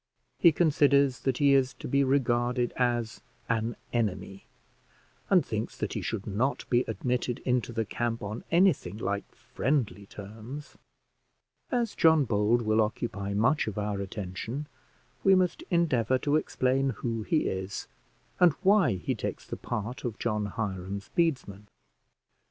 He considers that he is to be regarded as an enemy, and thinks that he should not be admitted into the camp on anything like friendly terms. As John Bold will occupy much of our attention, we must endeavour to explain who he is, and why he takes the part of John Hiram's bedesmen.